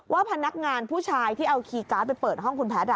ว่าพนักงานผู้ชายที่เอาคีย์การ์ดไปเปิดห้องคุณแพทย์